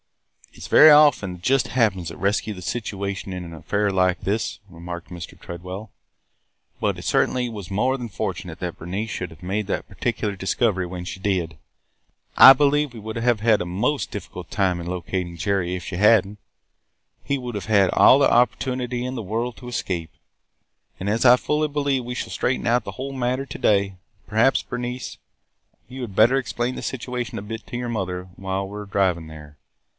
"It 's very often the 'just happeneds' that rescue the situation in an affair like this," remarked Mr. Tredwell. "But it certainly was more than fortunate that Bernice should have made that particular discovery when she did. I believe we would have had a most difficult time in locating Jerry if she had n't. He would have had all the opportunity in the world to escape. And, as I fully believe we shall straighten out the whole matter to day, perhaps, Bernice, you had better explain the situation a bit to your mother while we are driving there.